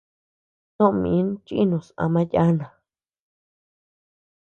Soʼö min chìnus ama yana.